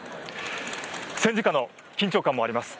戦時下の緊張感もあります。